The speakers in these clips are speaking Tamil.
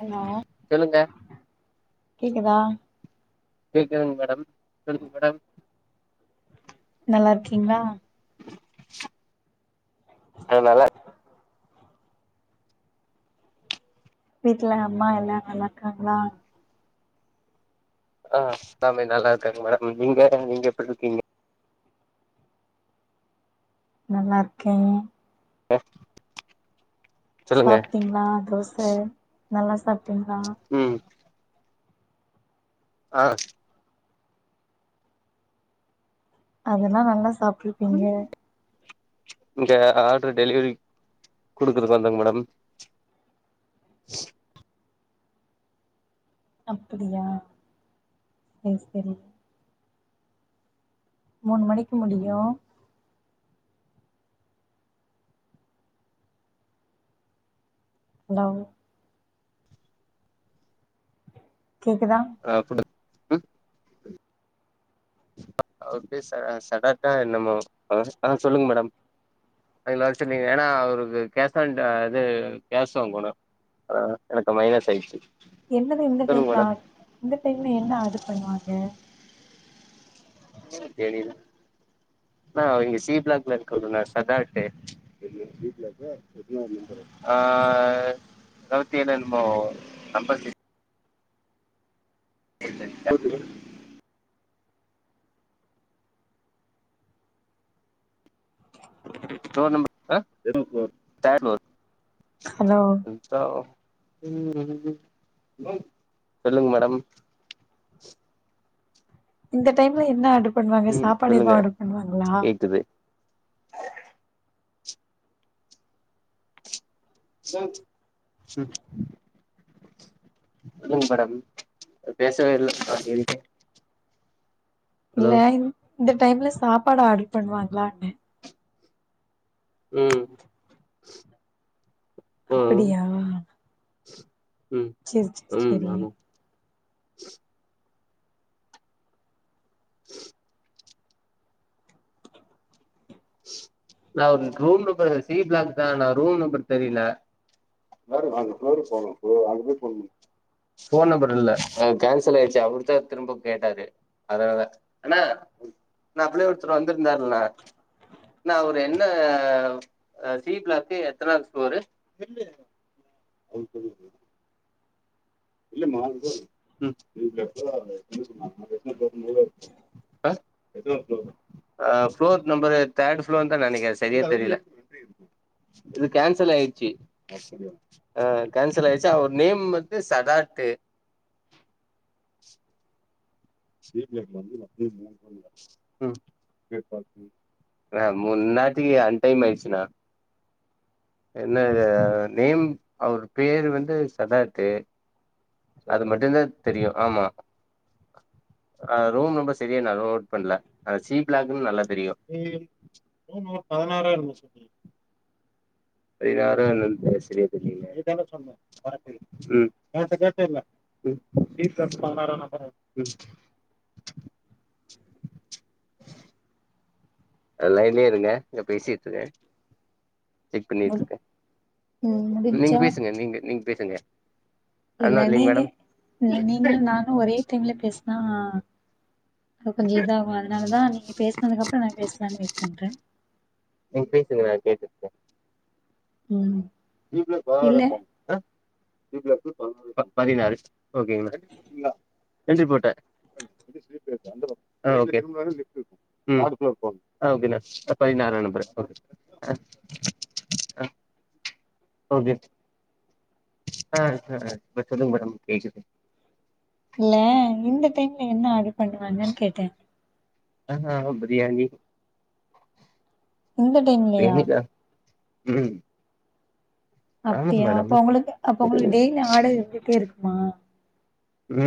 ஹலோ சொல்லுங்க கேக்குதா கேக்குதுங்க மேடம் சொல்லுங்க மேடம் நல்லா இருக்கீங்களா ஆ நல்லா வீட்ல அம்மா எல்லா நல்லா இருக்காங்ளா ஆ எல்லாமே நல்லா இருக்காங்க மேடம் நீங்க நீங்க எப்டி இருக்கீங்க நல்லா இருக்கே [unintelligible] சாப்ட்டீங்ளா தோச நல்லா சாப்ட்டீங்ளா ம் ஆ அதெல்லா நல்லா சாப்ட்ரிப்பீங்க இந்த ஆர்டர் டெலிவரிக் குடுக்றதுக்கு வந்தேங் மேடம் அப்டியா சேர் செரி மூணு மணிக்கு முடியு ஹலோ கேக்குதா [unintelligible] அப்பேயே ச [unintelligible] என்னமோ அ சொல்லுங்க மேடம் அதுல வர்சொன்னீங்க ஏனா அவ்ருக்கு கேஷண்டு இது கேஷ் வாங்கொனு அ எனக்கு மைனஸ் ஆய்ச்சி என்னது இந்த டைம்ல ஆட்ர் இந்த டைம்ல என்ன ஆர்டர் பண்ணுவாங்க தேனீதா நா இங்க சி ப்ளாக்ல இர்க்கோனு நா சதாட்டே எது சி ப்ளாக்கா எத்னாது நம்பரு ஆ [unintelligible] நம்பர் தெ [unintelligible] டோர் நம்ப அ எத்னா ஃப்ளோர் தேர்ட்டு ப்ளோர் ஹலோ [unintelligible] சொல்லுங்க மேடம் இந்த டைம்ல என்ன ஆர்டர் பண்ணுவாங்க ம் சாப்பாடு எதுவு சொல்லுங்க ஆர்டர் பண்ணுவாங்ளா கேக்குது ம் சொல்லுங்க மேடம் பேசவேயில்ல காலைல்ல இருந்தே இல்ல இந் இந்த டைம்ல சாப்பாடு ஆர்டர் பண்ணுவாங்ளாண்னே ம் ம் அப்படியா ம் சேரி சேரி ம் சேரி ஆமா நா [unintelligible] ரூம் நம்பர் சி ப்ளாக் தா ஆனா ரூம் நம்பர் தெரியல மேடம் நாங்க ஃப்ளோருக்கு போனோ போ அங்க போய் ஃபோன் பண் ஃபோன் நம்பர் இல்ல அ கேன்சல் ஆய்டுச்சு அவர்தா திரும்ப கேட்டாரு அதனால அண்ணே ம் அப்ளே ஒருத்தரு வந்திருந்தார்ல அண்ணே அவரு என்ன அ சி பிளாக்கு எத்தனது ஃப்ளோரு அது தெரியுது இல்ல மா இது [unintelligible] எத்னாவது ஃப்ளோர் அ ஃப்ளோர் நம்பரு தேர்டு ஃப்ளோர் தா நெனக்ற சேரியா தெரில இது கேன்சல் ஆய்ச்சி அ கேன்சல் ஆய்ச்சி அவர் நேம் வந்து சதாக்கு [unintelligible] னா முன்னாடி அண்டைம் ஆய்ட்ச்சுனா என்ன இது நேம் அவர் பேரு வந்து சதாக்கு அது மட்டுதா தெரியு ஆமா அ ரூம் நம்பர் செரியா நா நோட் பண்ல அ சி பிளாக்னு நல்லா தெரியு ரூம் நம்பர் பதனாறா என்னமோ சொனியே பதினாறா என்னான் சேரியா தெர்லியே என்ட்ட கேட்டயில்ல வீட் நம்பர் பதினாறா நப்பரு லைன்லே இருங்க இங்க பேசிட்யிர்க்கே செக் முடி பண்ணிட்யிர்க்கே ம் நீங்க முடிஞ்சா பேசுங்க நீங்க நீங்க பேசுங்க ஐ அம் இல்ல நாட் லிவிங் நீங்க மேடம் இல்ல நீங்களு நானு ஒரே டைம்ல பேஸ்னா அங்க கொஞ்சோ இதாகு அதனால தா நீங்க பேஸ்னதுக்கப்றோ நா பேசலான் வெய்ட் பண்ற நீங்க பேசுங்க எனக் கேக்குது ம் ஜீப்ல இல்ல [unintelligible] அ பதினாறு ஒக்ங்க என்ட்ரி போட்டே ஆ ஓகே ம் அ ஓகேனா பதினாறா நம்பரு ஆ ஓகே ஆ ஆ சொல்லுங்க மேடம் கேக்குது இல்ல இந்த டைம்ல என்ன ஆடர் பண்ணுவாங்கன்னு கேட்டே ஆ பிரியாணி இந்த டைம்லயா பிரியாணி தா ம் ஆமா அப்டியா மேடம் அப்ப உவங்களுக்கு அப்ப உவங்களுக்கு டெய்லி ஆடர் இருந்துகிட்டே இருக்குமா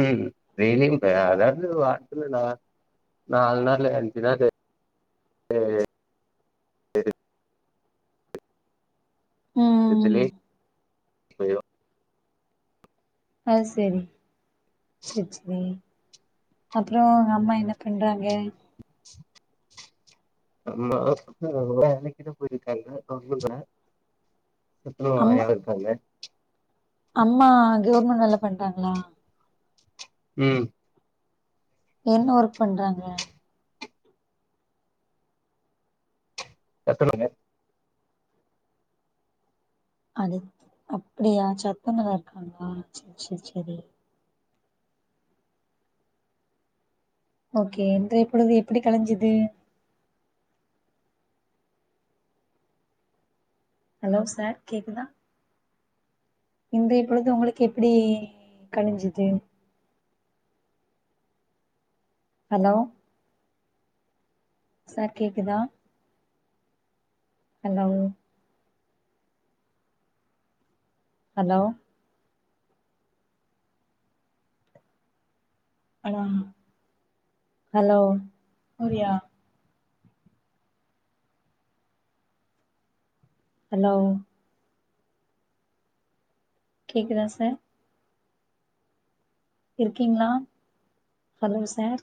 ம் டெலியும் இப்ப அதாவது வாரத்துல நாலு நாலு நாளு அஞ்சு நாளு ம் இதுலே ஆ சேரி சேரி சேரி அப்றோ உங்க அம்மா என்ன பண்றாங்க அம்மா வேலைக்குனு போயிருக்காங்க அவங்க [unintelligible] அம்மா இருக்காங்க அம்மா கவர்மெண்‌ வேலை பண்றாங்ளா ம் என்ன ஒர்க் பண்றாங்க சத்துணவுல அது அப்டியா சத்துணவா இருக்காங்ளா சேரி சேரி சேரி ஓகே இன்றைய பொழுது எப்டி கலஞ்சுது ஹலோ செர் கேக்குதா இன்றைய பொழுது உங்களுக்கு எப்டி கலிஞ்சுது ஹலோ சார் கேக்குதா ஹலோ ஹலோ ஆ ஹலோ சூர்யா ஹலோ கேக்குதா சார் இருக்கீங்களா ஹலோ சார்